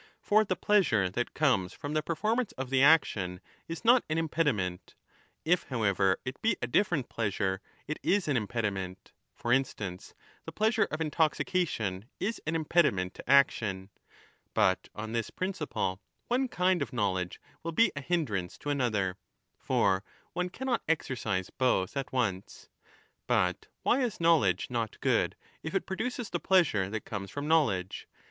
For the pleasure that comes from the per formance of the action is not an impediment ; if, however, it be a different pleasure, it is an impediment ; for instance, 5 the pleasure of intoxication is an impediment to action ; but on this principle one kind of knowledge will be a hin drance to another, for one cannot exercise both at once. But why is knowledge not good, if it produces the pleasure that comes from knowledge